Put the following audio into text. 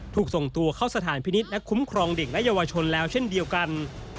ถูกส่งตัวเข้าสถานพินิษฐ์และคุ้มครองเด็กและเยาวชนแล้วเช่นเดียวกัน